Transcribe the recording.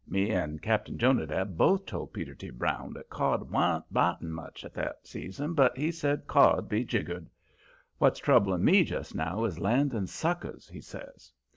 Me and Cap'n Jonadab both told Peter T. Brown that cod wa'n't biting much at that season, but he said cod be jiggered. "What's troubling me just now is landing suckers," he says.